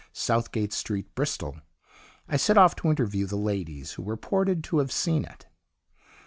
Southgate Street, Bristol, I set off to interview the ladies who were reported to have seen it.